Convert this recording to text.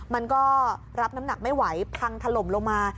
มันก็รับน้ำหนักไม่ไหวพังถล่มลงมา